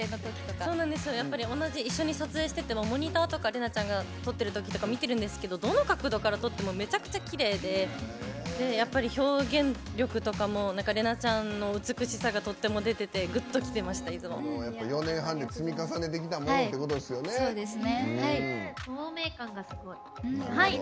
同じ一緒に撮影しててもモニターとか麗奈ちゃんが撮ってるときとか見てるんですけどどの角度から撮ってもめちゃくちゃきれいで表現力とかもれなぁちゃんの美しさがとっても出てて４年半で積み重ねてきたものってことですね。